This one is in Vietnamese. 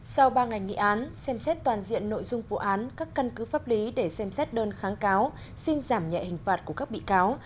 sau ba ngày nghị án xem xét toàn diện nội dung vụ án các căn cứ pháp lý để xem xét đơn kháng cáo xin giảm nhẹ hình phạt của các bị cáo